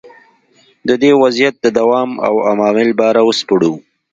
د دې وضعیت دوام او عوامل به را وسپړو.